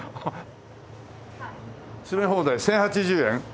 詰め放題１０８０円？